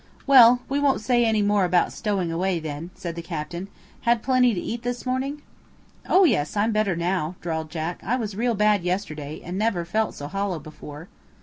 "Well, we won't say any more about stowing away, then," said the captain. "Had plenty to eat this morning?" "Oh yes, I'm better now," drawled Jack. "I was real bad yesterday, and never felt so hollow before."